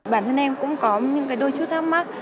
bản thân em cũng có những cái đôi chút thắc mắc